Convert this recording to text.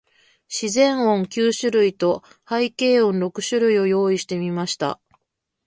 自然音九種類と、背景音六種類を用意してみました。